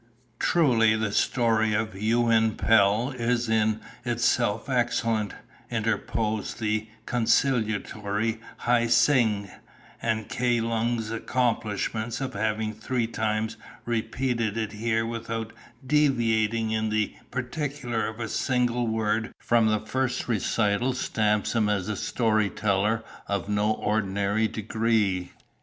"Truly the story of Yuin Pel is in itself excellent," interposed the conciliatory Hi Seng; "and Kai Lung's accomplishment of having three times repeated it here without deviating in the particular of a single word from the first recital stamps him as a story teller of no ordinary degree.